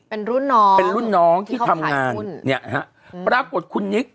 เป็นรุ่นน้องเป็นรุ่นน้องที่ทำงานเนี่ยฮะปรากฏคุณนิก